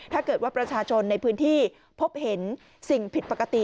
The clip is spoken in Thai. ถ้าเกิดว่าประชาชนในพื้นที่พบเห็นสิ่งผิดปกติ